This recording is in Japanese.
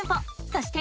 そして。